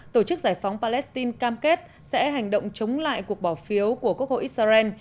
tổ chức giải phóng palestine cam kết sẽ hành động chống lại cuộc bỏ phiếu của quốc hội israel